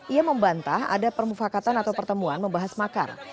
ia membantah ada permufakatan atau pertemuan membahas makar